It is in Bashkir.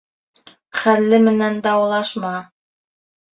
Хәлле менән даулашма.